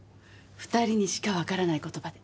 ２人にしかわからない言葉で。